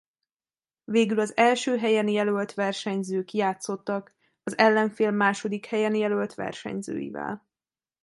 Végül az első helyen jelölt versenyzők játszottak az ellenfél második helyen jelölt versenyzőivel.